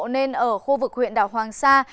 nên ở khu vực huyện đảo hoàng sa